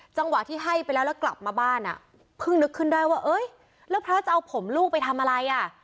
จังหวะที่ให้ไปแล้วแล้วกลับมาบ้านอ่ะเพิ่งนึกขึ้นได้ว่าเอ้ยแล้วพระจะเอาผมลูกไปทำอะไรอ่ะ